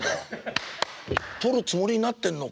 とるつもりになってんのか」